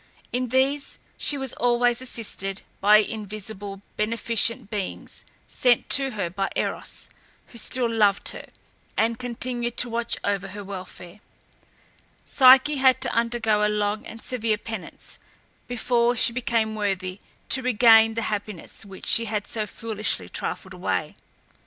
In these she was always assisted by invisible, beneficent beings, sent to her by Eros, who still loved her, and continued to watch over her welfare. Psyche had to undergo a long and severe penance before she became worthy to regain the happiness, which she had so foolishly trifled away.